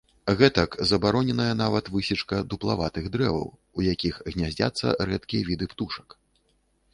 Гэтак, забароненая нават высечка дуплаватых дрэваў, у якіх гняздзяцца рэдкія віды птушак.